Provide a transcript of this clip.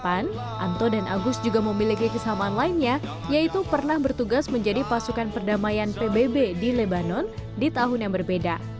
di tahun dua ribu delapan anto dan agus juga memiliki kesamaan lainnya yaitu pernah bertugas menjadi pasukan perdamaian pbb di libanon di tahun yang berbeda